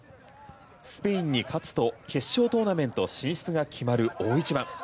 スペインに勝つと決勝トーナメント進出が決まる大一番。